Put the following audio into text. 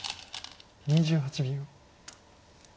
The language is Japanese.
２８秒。